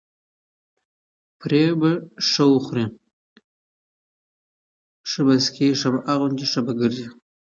پرې ښه به خوري، ښه به څکي ښه به اغوندي، ښه به ګرځي،